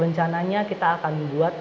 rencananya kita akan buat